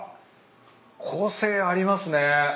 個性ありますね。